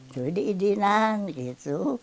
jadi diidinan gitu